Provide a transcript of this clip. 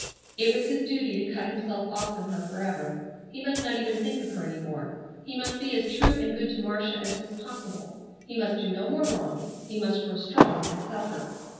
It was his duty to cut himself off from her forever. He must not even think of her any more. He must be as true and good to Marcia as was possible. He must do no more wrong. He must grow strong and suffer.